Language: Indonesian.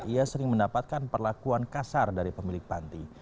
ia sering mendapatkan perlakuan kasar dari pemilik panti